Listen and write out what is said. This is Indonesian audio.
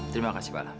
terima kasih pak alam